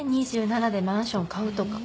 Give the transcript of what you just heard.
２７でマンション買うとか。